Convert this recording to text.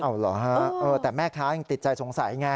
เอาเหรอฮะแต่แม่ค้ายังติดใจสงสัยไง